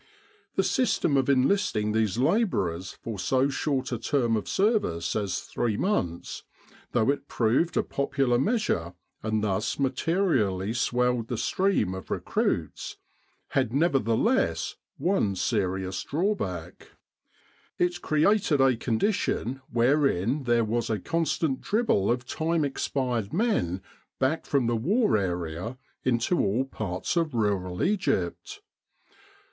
The system of enlisting these labourers for so short a term of ser vice as three months, though it proved a popular measure and thus materially swelled the stream of re cruits, had nevertheless one serious drawback; it created a condition wherein there was a constant dribble of time expired men back from the War area into all parts of rural Egypt.